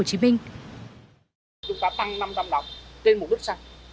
chúng ta tăng năm trăm linh lọc trên một đứt xăng